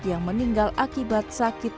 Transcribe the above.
yang meninggal akibat sakit